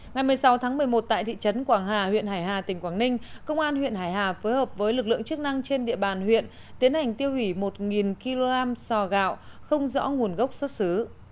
ngày một mươi sáu tháng một mươi một tại thị trấn quảng hà huyện hải hà tỉnh quảng ninh công an huyện hải hà phối hợp với lực lượng chức năng trên địa bàn huyện tiến hành tiêu hủy một kg sò gạo không rõ nguồn gốc xuất xứ